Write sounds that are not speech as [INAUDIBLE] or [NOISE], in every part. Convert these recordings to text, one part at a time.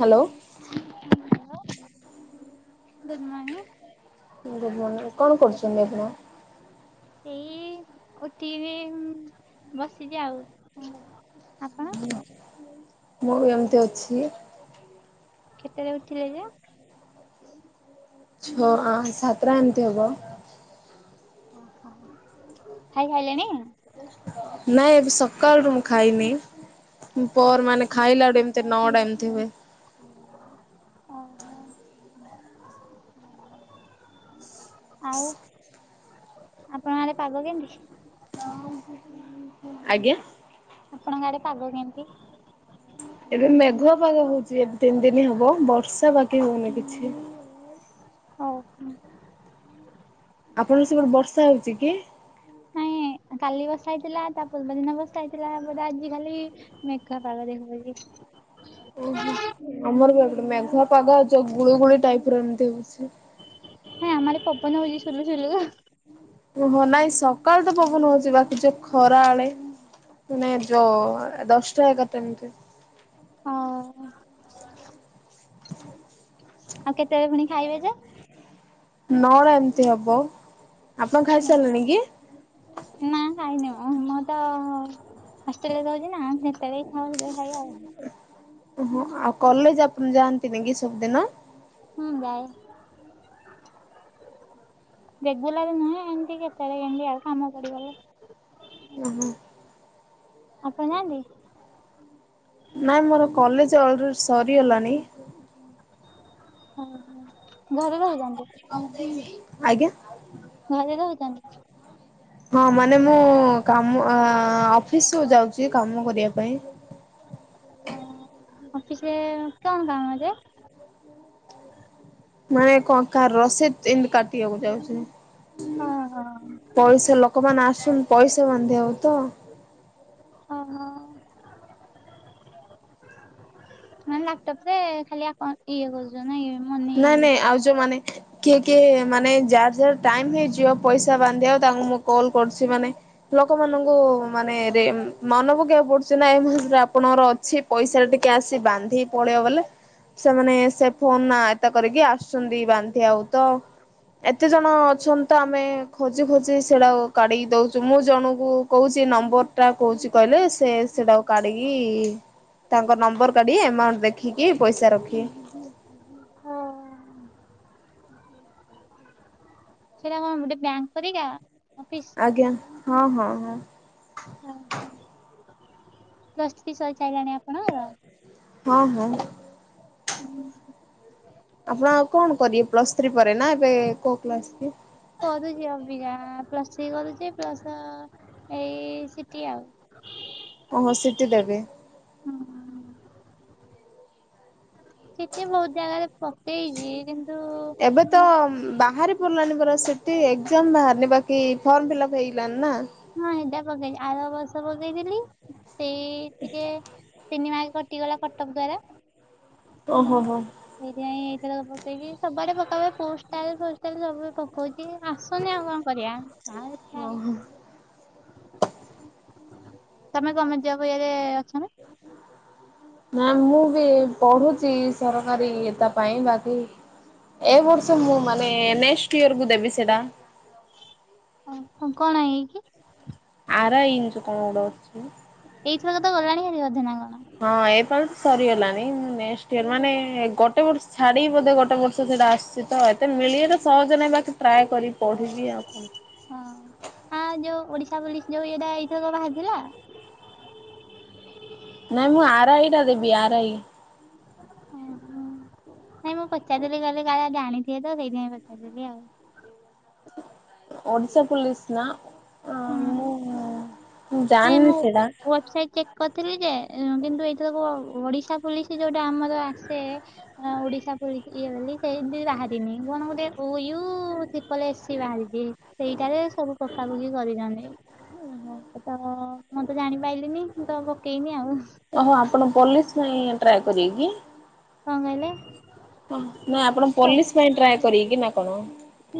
Hello ହଁ hello good ମନିଂ good morning କଣ କରୁଛନ୍ତି ଆପଣ? ସେଇ ଉଠିକିରି ବସିଛି ଆଉ। ଆପଣ? ମୁଁ କେମିତି ଅଛି? କେତେବେଳେ ଉଠିଲେ ଯେ? ଛ ଆଁ ସାତଟା ଏମିତି ହବ। ଓହୋ ଖାଇ ସାଇଲେଣି? ନାଇଁ ଏବେ ସକାଳରୁୁ ମୁଁ ଖାଇନି। ପ ମାନେ ଖାଇଲା ବଟେ ଏମିତି ନଅ ଟା ଏମିତି ହୁଏ। ଓହୋ ଆଉ ଆପଣ ଆଡେ ପାଗ କେମିତି? ଆଜ୍ଞା ଆପଣଙ୍କ ଆଡେ ପାଗ କେମିତି? ଏବେ ମେଘୁଆ ପାଗ ହଉଛି ଏବେ ତିନି ଦିନ ହବ ବର୍ଷା ବାକି ହଉନି କିଛି। ହଉ ହଁ ଆପଣଙ୍କର ସେପଟେ ବର୍ଷା ହଉଛି କି? ନାଇଁ କାଲି ବର୍ଷା ହେଇଥିଲା ତା ପୂର୍ବ ଦିନ ବର୍ଷା ହେଇଥିଲା ତାପରେ ଆଜି ଖାଲି ମେଘୁଆ ପାଗ [UNINTELLIGIBLE] ଓହୋ ଆମର ବି ଗୋଟେ ମେଘୁଆ ପାଗ ଯୋଉ ଗୁଳୁଗୁଳି ଟାଇପ ର ଏମିତି ହଉଚି। ନାଇଁ ଆମଆଡେ ପବନ ହଉଛି ଶୁଲୁଶୁଲୁ। ଓହୋ ନାଇଁ ସକାଳୁ ତ ପବନ ହଉଛି ବାକି ଯୋଉ ଖରା ଆଳେ ନାଇଁ ଯ ଅ ଦଶଟା ଏଗାରଟା ଏମିତି ହଁ ଆଉ କେତେବେଳେ ପୁଣି ଖାଇବେ ଯେ? ନଅଟା ଏମିତି ହବ ଆପଣ ଖାଇସାରିଲେଣି କି? ନା ଖାଇନି ମୁଁ ତ ହଷ୍ଟେଲ ରେ ରହୁଚି ନା ଯେତେବେଳେ ଇଚ୍ଛା ହବ ସେତେବେଳେ ଖାଇବି ଆଉ। ଓହୋ ଆଉ କଲେଜ ଆପ ଯାଆନ୍ତିନି କି ସବୁଦିନ? ହୁଁ ଯାଏ। ରେଗୁଲାର ନୁହେଁ ଏମତି କେତେବେଳେ କେମିତି ଆଉ କାମ ପଡ଼ିଗଲେ। ଓ ହୋ ଆପଣ ଯାଆନ୍ତି? ନାଇଁ ମୋର କଲେଜ ଅଲରେଡି ସରିଗଲାଣି। ଓହୋ ଘରେ ରହୁଚନ୍ତି? ଆଜ୍ଞା। ଘରେ ରହୁଚନ୍ତି। ହଁ ମାନେ ମୁଁ କାମ ଆଁ ଅଫିସକୁ ଯାଉଚି କାମ କରିବା ପାଇଁ। ଓ ଅଫିସରେ କଣ କାମ ଯେ? ମାନେ କଣ କା ରଷିଦ୍ ଏମତି କାଟିଆକୁ ଯାଉଚି। ଓହୋ ପଇସା ଲକମାନେ ଆସଛନ୍ ପଇସା ବାନ୍ଧିଆକୁ ତ। ଅ ହ। ମାନେ ଲାପଟପ୍ ରେ ଖାଲି ଆପଣ ଇଏ କରଛନ୍ ନାଇଁ ମନି ନାଇଁ ନାଇଁ ଆଉ ଯୋଉମାନେ କିଏ କିଏ ମାନେ ଯାର ଯାର ଟାଇମ୍ ହେଇଯିବ ପଇସା ବାନ୍ଧିଆକୁ ତାଙ୍କୁ ମୁଁ କଲ୍ କରୁଛି ମାନେ ଲୋକମାନଙ୍କୁ ମାନେ ରେମ୍ ମନ ପକେବାକୁ ପଡୁଛି ନା ଏ ମାସରେ ଆପଣଙ୍କର ଅଛି ପଇସା ଟା ଟିକେ ଆସି ବାନ୍ଧି ପଳେଇବ ବଲେ ସେମାନେ ସେ ଫୋନ ନା ଏତା କରିକି ଆସୁଛନ୍ତି ବାନ୍ଧିଆକୁ ତ। ଏତେ ଜଣ ଅଛନ୍ତି ତ ଆମେ ଖୋଜି ଖୋଜି ସେଡାକୁ କାଢିକି ଦଉଚୁ। ମୁଁ ଜଣଙ୍କୁ କହୁଚି ନମ୍ବର ଟା କହୁଚି କହିଲେ ସେ ସେଡ଼ାକୁ କାଢିକି ତାଙ୍କ ନମ୍ବର କାଢି ଏମାଉଣ୍ଟ ଦେଖିକି ପଇସା ରଖିଏ। ସେଇଟା କଣ ଗୋଟେ ବ୍ୟାଙ୍କ ପରିକା ଅପିସ୍? ଆଜ୍ଞା ହଁ ହଁ ହଁ। ହଁ ହଁ ପ୍ଲସ୍ ଥ୍ରୀ ସରିସାଇଲାଣି ଆପଣଙ୍କର? ହଁ ମ। ହୁଁ। ଆପଣ ଆଉ କଣ କରିବେ ପ୍ଲସ୍ ଥ୍ରୀ ପରେ ନା ଏବେ କୋଉ କ୍ଲାସ କି? କରୁଛି ଅବିକା ପ୍ଲସ୍ ଥ୍ରୀ କରୁଛି ପ୍ଲସ ଏଇ ସିଟି ଆଉ। ଓହୋ ସିଟି ଦେବେ? ହୁଁ ହୁଁ ସିଟି ବହୁତ୍ ଜାଗାରେ ପକେଇଛି କିନ୍ତୁ ଏବେ ତ ବାହାରେ ବୁଲାବୁଲି କର ସିଟି ଏକ୍ଜାମ ବାହାରିନି ବାକି ଫର୍ମ ଫିଲଅପ୍ ହେଇଗଲାନି ନା? ହଁ ଏଟା ପକେଇଚି ଆର ବର୍ଷ ପକେଇଥିଲି ସେଇ ଟିକେ ତିନି ମାର୍କ କଟିଗଲା କଟଫ୍ ଦ୍ଵାରା ତ ଓହୋ ହୋ ସେଇଥିପାଇଁ ଏଇ ଥରକ ପକେଇଚି ସବୁଆଡ଼େ ପକାପକି ପୋଷ୍ଟାଲ ଫୋଷ୍ଟାଲ ସବୁ କହୁଚି ଆସନି ଆଉ କଣ କରିବା ଆ ତମେ ଗମେଣ୍ଟ ଜବ୍ ଇଏରେ ଅଛ ନା? ନା ମୁଁ ବି ପଢୁଚି ସରକାରୀ ଏତା ପାଇଁ। ବାକି ଏ ବର୍ଷ ମୁଁ ମାନେ ନେଷ୍ଟ୍ ଇୟରକୁ ଦେବି ସେଡ଼ା। ଓ ହ କଣ ଇଏ କିି? ଆର ଆଇ ଇଞ୍ଚ କଣ ଗୋଟେ ଅଛି। ଏଇଥର ତ ଗଲାଣି ହାରି ଅଧେ ନା କଣ? ହଁ ଏପାଳି ତ ସରିଗଲାଣିି ମୁଁ ନେକ୍ସଟ୍ ଇୟର୍ ମାନେ ଗଟେ ବର୍ଷ ଛାଡି ବୋଧେ ଗୋଟେ ବର୍ଷ ସେଟା ଆସଛି। ତୁଇତ ଏତେ ମିଳିବା ସହଜ ନେବା କି ଟ୍ରାଏ କରିବି ପଢ଼ିବି ଆଉ କଣ? ହଁ ଆ ଯୋଉ ଓଡିଶା ପୋଲିସ ଯୋଉ ଏଇଟା ଏଇଥର କ ବାହାରିଥିଲା। ନାଇଁ ମୁଁ ଆର୍ ଆଇ ଟା ଦେବି ଆର୍ ଆଇ। ଓ ହ ନାଇଁ ମୁଁ ପଚାରିଦେଲି କହିଲି କାଳେ ଆଜି ଆଣିଥିବେ ତ ସେଇଥିପାଇଁ ପଚାରିଦେଲି ଆଉ। ଓଡ଼ିଶା ପୋଲିସ ନା? ହୁଁ। ହଁ ମୁଁ ଜାଣିନି ସେଟା। ସାଇଟ୍ ଚେକ୍ କରିଥିଲି ଯେ କିନ୍ତୁ ଏଥରକ ଓଡିଶା ପୁଲିସି ଯୋଉଟା ଆମର ଆସେ ଓଡିଶା ପୋଲିସି ଇଏ ବୋଲି ସେ ଏମତି ବାହାରିନି କଣ ଗୋଟେ O U triple A C ବାହାରିଛି। ସେଇଟାରେ ସବୁ ପକାପକି କରିଚନ୍ତି। ତ ମୁଁ ତ ଜାଣିପାଇଲିନି ମୁଁ ତ ପକେଇନି ଆଉ। ଓହୋ ଆପଣ ପୋଲିସ ପାଇଁ ଟ୍ରାଏ କରିବେ କି? କଁ କହିଲେ? ନା ଆପଣ ସବୁ- ପୋଲିସ ପାଇଁ ଟ୍ରାଏ କରିବେ କି ନା କଣ?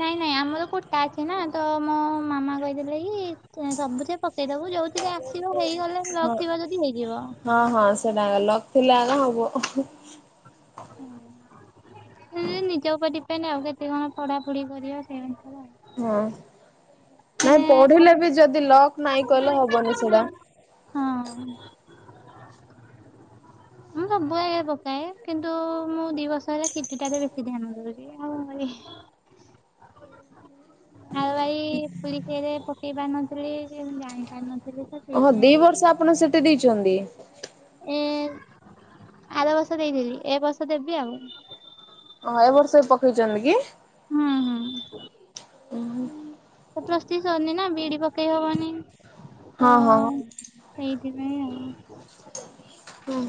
ନାଇଁ ନାଇଁ ଆମର କୋଟା କେ ନା ତ ମୋ ମାମା କହିଥିଲେ କି ଯେ ସବୁଥି ପ ପକେଇ ଦବୁ ଯୋଉଥିରେ ଆସିବ ହେଇଗଲେ ହଁ ଲକ୍ ଥିବ ଯଦି ହେଇଯିବ। ହଁ ହଁ ସେଟା ଲକ୍ ଥିଲା ନା ହବ। ହୁଁ। ହୁଁ ନିଜ ଉପରେ ଡିପେଣ୍ଡ ଆଉ କେତେ କଣ ପଢାପଢି କରିବ ସେଇ ଅନୁସାରେ ଆ ହଁ ନାଇଁ ପଢିଲେ ଆଜି ବି ଯଦି ଲକ୍ ନାଇଁ କଲେ ହବନି ସେଇଡ଼ା। ହଁ। ମୁଁ ସବୁ ବେଳେ ପକାଏ କିନ୍ତୁ ମୁଁ ଦି ବର୍ଷ ହେଲା ସିଟିଟାରେ ବେଶୀ ଧ୍ୟାନ ଦଉଛି। ଆଉ ଭାଇ ଆଉ ଭାଇ ପୁଲିସରେ ପକେଇ ପାରନଥିଲି ଜାଣି ପାରୁନଥିଲି। ହଁ ଦି ବର୍ଷ ଆପଣ ସେଠି ଦେଇଛନ୍ତି? ଏ ଆର ବର୍ଷ ଦେଇଥିଲି ଏ ବର୍ଷ ଦେବି ଆଉ। ଓଁ ଏବ ବର୍ଷ ବି ପକେଇଛନ୍ତି କି? ହଁ ହଁ। ଉଁ। ପ୍ଲସ୍ ଥ୍ରି ସରିନା ବି ଡି ପକେଇ ହବନି। ହଁ ହଁ ଆଁ ହଁ ସେଇଥିପାଇଁ ଆଉ ହୁଁ।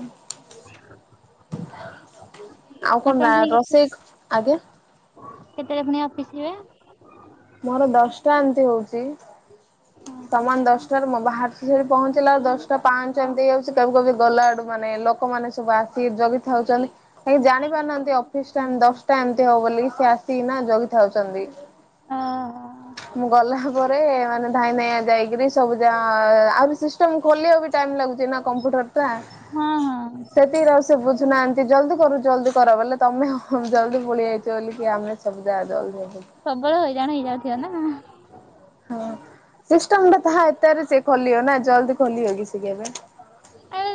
ଆଉ କଣ ରୋଷେଇ ଆଜ୍ଞା। କେତେଳେ ପୁଣି ଅଫିସ ଯିବେ? ମୋର ଦଶଟା ଏମିତି ହଉଛି। ହଁ। ସମାନ ଦଶଟାରୁ ମୁଁ ବାହାରୁଛି ଯେ ସେଠି ପହଞ୍ଚିଲା ଦଶଟା ପାଞ୍ଚ ଏମିତି ହେଇଯାଉଛି ତା ଆଡୁ ଗଲା ଆଡୁ ମାନେ ଲକ୍ ଲୋକମାନେ ସବୁ ଆସିିକ ଜଗିଥାଉଛନ୍ତି। କେହିଁ ଜାଣି ପାରୁନାହାନ୍ତି ଅଫିସ ଟାଇମ୍ ଦଶଟା ଏମିତି ହବ ବୋଲି ସିଏ ଆସିକିନା ଜଗିଥାଉଛନ୍ତି। ଆଁ ମୁଁ ଗଲା ପରେ ମାନେ ଧାଇ ନ ଯାଇକିରି ସବୁ ଯା ଆହୁରି ସିଷ୍ଟମ ଖୋଲିବା ବି ଟାଇମ ଲାଗୁଛି ନା କମ୍ପୁଟର ଟା। ହଁ ହଁ ସେଥି ରଶ୍ ସେ ବୁଝୁନାହାନ୍ତି ଜଲଦି କରୁ ଜଲଦି କର ବଲେ ତମେ ଜଲଦି ପଳେଇ ଆଇଛ ବ ବୋଲି କି ଆମେ ସବୁ ଜଲଦି ସବୁବେଳେ ହଇରାଣ ହେଇଯାଉଥିବ ନା? ହଁ ସିଷ୍ଟମ ଟା ତାହା ଏତରେ ସେ ଖୋଲିବ ନା ଜଲଦି ଖୋଲିବ କି ସେ କେବେ? ଆ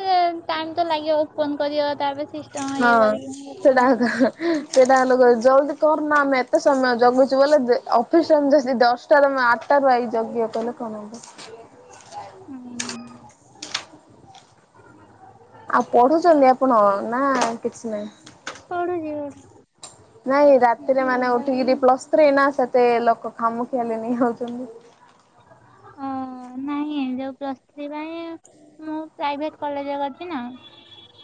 ଟାଇମ ତ ଲାଗିବ ଓପନ କର ତାପରେ ସିଷ୍ଟମ ଇଏ କରିକି କେତେ କଣ? ହୁଁ ସେଇ ଟାଇମ୍ ରେ କହିବେ ଜଲଦି କରନା ଆମେ ଏତେ ସମୟ ଜଗୁଛୁ ବଲେ ଅଫିସ ଟାଇମ୍ ସେ ଦଶ ଟା [UNINTELLIGIBLE] ହୁଁ। ଆଉ ପଢୁଛନ୍ତି ଆପଣ ନା କିଛି ନାହିଁ? ପଡ଼ୁଛି ଇ ନାଇଁ ରାତିରେ ମାନେ ଉଠିକିରି ପ୍ଲସ୍ ଥ୍ରୀ ନା ସେତେ ଲୋକ ଖାମୁଖିଆଲି ନେଇ ଯାଉଛନ୍ତି। ହଁ। ହଁ ନାଇଁ ଯୋଉ ପ୍ଲସ୍ ଥ୍ରୀ ପାଇଁ ମୁଁ ପ୍ରାଇଭେଟ କଲେଜ କରିଛି ନା।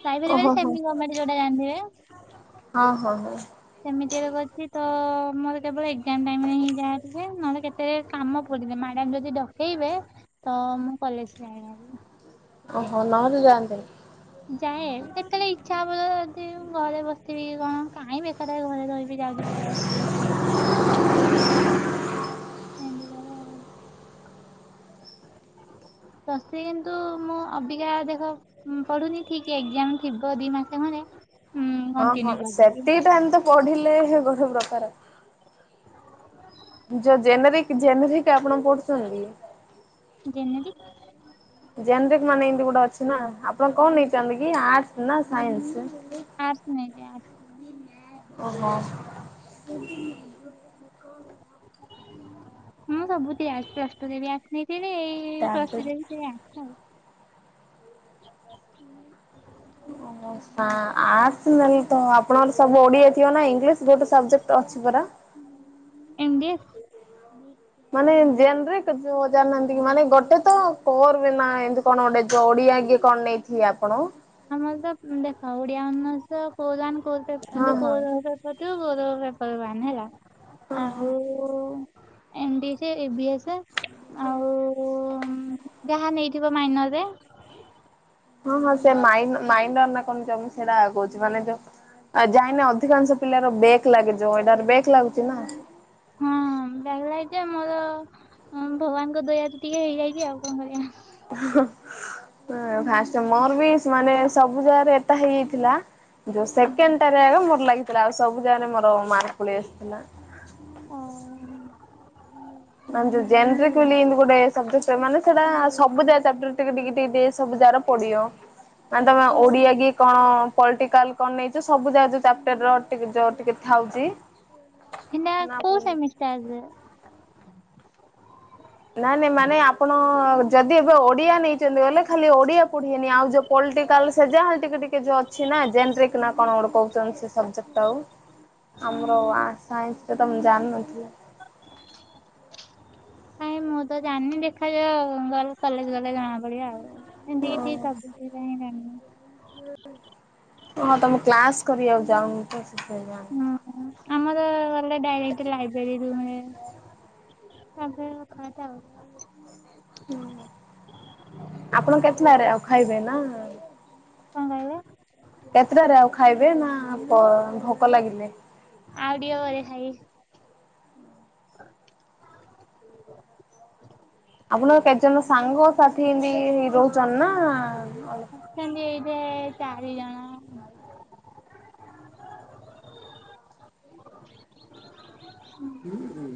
ପ୍ରାଇଭେଟ୍ ଓହୋ ମାନେ ହୋ ସେମି ଗମେଣ୍ଟ ଯୋଟା ଜାଣି ଥିବେ। ହଁ ହଁ ହଁ। ସେମିତି ଏବେ କରିଛି ତ ମୋର କେବଳ ଏକ୍ଜାମ ଟାଇମ ରେ ହିଁ ଯାହା ଥାଏ ନହେଲେ କେତେ କାମ କୋଉ ଦିନ ମ୍ୟାଡ଼ାମ ଯଦି ଡକେଇବେ ତ ମୁଁ କଲେଜ ଯାଏ। ଓହୋ ନହେଲେ ଯାଆନ୍ତିନି? ଯାଏ କେତେବେଳେ ଇଚ୍ଛା ହବ ଯଦି ଘରେ ବସିବି କଣ କାହିଁ ବେକାର ଘରେ ରହିବି? ବି ଯାଉଛି ପଳେଇ ଭଲ ଆସିବି। ଏମିତି କରେ ଆଉ। ଶଶୀ କିନ୍ତୁ ମୁଁ ଅବିକା ଦେଖ ହଁ ପଢୁନି ଠିକ ଏକ୍ଜାମ ଥିବ ଦିଇ ମାସ ଘରେ ହଁ ହଁ ସେତିଟା ଏମିତି ପଢିଲେ ଗୋଟେ ପ୍ରକାର ଯୋଉ ଜେନେରିକ ଜେନେରିକ ଆପଣ ପଢୁଛନ୍ତି। ଜେନେରିକ। ଜେନେରିକ ମାନେ ଏମତି ଗୋଟେ ଅଛି ନା। ଆପଣ କଣ ନେଇଛନ୍ତି କି ଆର୍ଟସ ନା ସାଇନ୍ସ? ଆର୍ଟ୍ସ ନେଇଛି ଆର୍ଟ୍ସ। ଓହୋ। ମୁଁ ସବୁଥି ଆର୍ଟ୍ସ। ପ୍ଲସ ଟୁ ରେ ଆର୍ଟ୍ସ ନେଇଥିଲି। ପ୍ଲସ ତାପରେ ଟୁ ରେ ବି ସେଇ ଆର୍ଟ୍ସ ଆଉ। ଓ ଆର୍ଟସ ନାହିଁ ତ। ଆପଣଙ୍କର ସବୁ ଓଡିଆ ଥିବ ନା ଇଂଲିଶ। ଗୋଟେ ସବଜେକ୍ଟ ଅଛି ପରା। M DA. ମାନେ ଜେନେରିକ ଯୋଉ ଜାଣିନାହାନ୍ତି କି। ମାନେ ଗୋଟେ ତ କୋର ବି ନା ଏ କଣ ଗୋଟେ ଯଡି ଆଗେ କଣ ନେଇଥିବେ ଆପଣ। ଆମର ତ ଦେଖ ଓଡିଆ ଅନର୍ସ କୋଉ [UNINTELLIGIBLE] ହଁ କରିଥିବ ହଁ। କଉରା ବେପାର ବାହାରିନି ହେଲା। ଆଉ ଏମ୍ ଡିସି ଇଭି ଏସେ ଆଉ ଯାହା ନେଇଥିବ ମାଇନର ରେ। ହଁ ହଁ ସେ ମାଇଁ ମାଇଣ୍ଡ ନା କଣ ସେଇଟା ଆଗଉଛି ମାନେ ଯୋଉ ଆଉ ଯାଇନା ଅଧିକାଂଶ ପିଲାର ବେକ୍ ଲାଗିଯିବ। ଏଇଟାର ବେକ୍ ଲାଗୁଛି ନା। ହଁ ବ୍ୟାଗ ଲାଇଟ ମୋର ହଁ ଭଗବାନଙ୍କ ଦୟାତି ଟିକେ ହେଇଯାଇଛି ଆଉ କଣ କରିବା। ଫାଷ୍ଟେ ମୋର ବି ମାନେ ସବୁ ଜାଗାରେ ଏଟା ହେଇଯାଇଥିଲା। ଯୋଉ ସେକେଣ୍ଡଟାରେ ମୋର ଲାଗିଥିଲା। ଆଉ ସବୁ ଜାଗାରେ ମୋର ମାର୍କ ପଳେଇ ଆସିଥିଲା। ଓହୋ। ମାନେ ଯେ-ଯେମିତିରେ କିଣି ଗୋଟେ ମାନେ ସେଟା ସବୁଯାକ ଚାପ୍ଟର ଟିକେ-ଟିକେ-ଟିକେ ସବୁ ଯାର ପଡିବ। [INAUDIBLE] ଆ ତମେ ଓ ଓଡିଆ କି? କଣ ପଲିଟିକାଲ କଣ ନେଇଛ? ସବୁ ଯାହା ଯୋଉ ଚାପଟର ଯୋଉ ଟିକେ ଥାଉଛି। ହେନା କୋଉ ନା ସେମିଷ୍ଟାର ରେ। ନାଇଁ ନାଇଁ ମାନେ ଆପଣ ଯଦି ଏବେ ଓଡିଆ ନେଇଛନ୍ତି। ଗଲେ ଖାଲି ଓଡିଆ କନି ଆଉ ଯୋଉ ପଲ୍ଟିକାଲ ସେ ଯାହା ଟିକେ ଟିକେ ଯୋ ଅଛି ନା ଜେନେରିକ କଣ କହୁଛନ୍ତି ସେ ସବୁ। ତ ଆମର ଆର୍ଟ ସାଇନ୍ସ ରେ ତମ ଜାଣିନଥିଲେ। କାଇଁ ମୁଁ ତ ଜାଣିନି। ଦେଖାଯାଉ ଗଲେ କଲେଜ ଗଲେ ଜଣା ପଡିବ ଆଉ। ଏମିତି କିଛି ହଁ ସବୁଟା ହିଁ ଜାଣିନି। ହଁ ତମେ କ୍ଲାସ କରିବାକୁ ଯାଉନି ତ ସେଇଥି ପାଇଁ। ହୁଁ ଆମର ଗଲେ ଡାଇରେକ୍ଟ ଲାଇବ୍ରେରୀ ରୁ ରୁହେ। ତାପରେ ଥା ଆଉ। ହୁଁ ଆପଣ କେତେଲାରେ ଆଉ ଖାଇବେ ନା। କଣ କହିଲ? କେତେଟାରେ ଆଉ ଖାଇବେ ନା ଭୋକ ଲାଗିଲେ। ଆଉ ଟିକେ ବେଳେ ଖାଇବି। ଆପଣଙ୍କ କେତେଜଣ ସାଙ୍ଗ ସାଥି ଏମତି ହେଇ ରହୁଚନ୍ତି ନା। ଆସୁଛନ୍ତି ଏଇଠି ଚାରି ଜଣ। ହୁଁ ହୁଁ।